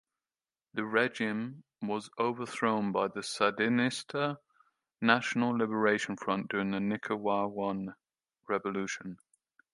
Their regime was overthrown by the Sandinista National Liberation Front during the Nicaraguan Revolution.